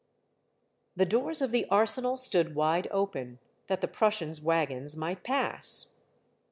V. The doors of the Arsenal stood wide open, that the Prussians' wagons might pass.